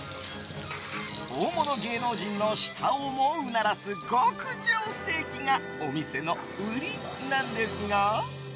大物芸能人の舌もうならす極上ステーキがお店の売りなんですが。